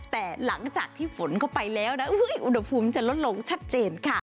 แต่หลังจากที่ฝนเข้าไปแล้วนะอุณหภูมิจะลดลงชัดเจนค่ะ